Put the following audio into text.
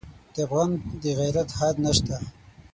د افغان د غیرت حد نه شته.